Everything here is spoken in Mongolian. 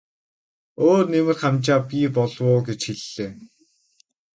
Өөр нэмэр хамжаа бий болов уу гэж хэллээ.